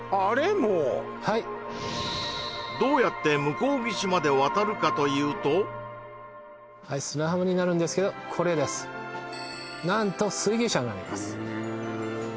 もうはいどうやって向こう岸まで渡るかというとはい砂浜になるんですけどこれです何と水牛車になりますへえ